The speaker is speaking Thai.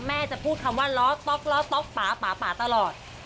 จะพูดคำว่าล้อต๊อกล้อต๊อกป๊าป๊าตลอด